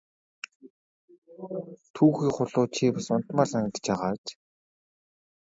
Түүхий хулуу чи бас унтмаар санагдаж байгаа биз!